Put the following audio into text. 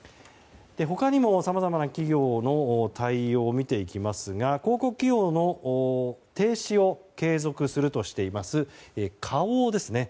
他にも、さまざまな企業の対応を見ていきますが広告企業の停止を継続するとしています花王です。